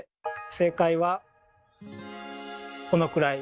正解はこのくらい。